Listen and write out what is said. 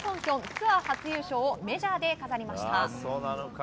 ツアー初優勝をメジャーで飾りました。